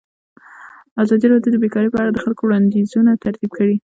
ازادي راډیو د بیکاري په اړه د خلکو وړاندیزونه ترتیب کړي.